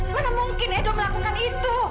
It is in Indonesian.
mana mungkin edo melakukan itu